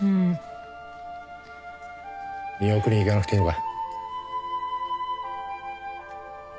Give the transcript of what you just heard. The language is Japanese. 見送りに行かなくていいのか？